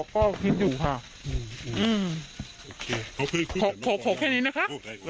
ขอแค่นี้นะคะ